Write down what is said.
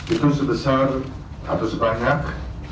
itu sebesar atau sebanyak